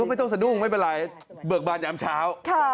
ไม่ต้องสะดุ้งไม่เป็นไรเบิกบานยามเช้า